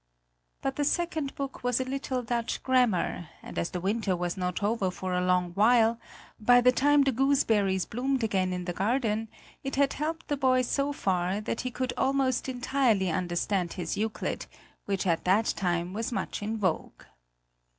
But the second book was a little Dutch grammar, and as the winter was not over for a long while, by the time the gooseberries bloomed again in the garden it had helped the boy so far that he could almost entirely understand his Euclid, which at that time was much in vogue.